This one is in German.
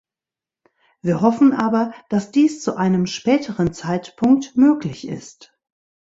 Wir hoffen aber, dass dies zu einem späteren Zeitpunkt möglich ist.